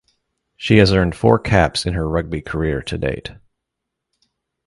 She has earned four caps in her rugby career to date.